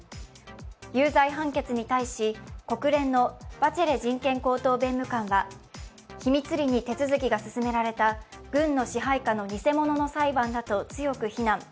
有罪判決に対し、国連のバチェレ人権高等弁務官は秘密裏に手続きが進められた軍の支配下の偽物の裁判だと強く非難。